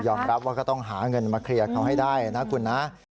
รับว่าก็ต้องหาเงินมาเคลียร์เขาให้ได้นะคุณนะ